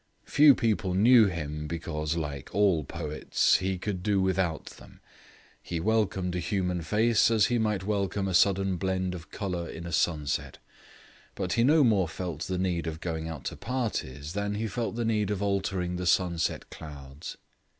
Few people knew him, because, like all poets, he could do without them; he welcomed a human face as he might welcome a sudden blend of colour in a sunset; but he no more felt the need of going out to parties than he felt the need of altering the sunset clouds.